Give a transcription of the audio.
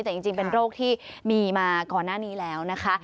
แต่จริงเป็นโรคที่มีมาก่อนหน้านี้แล้วนะคะ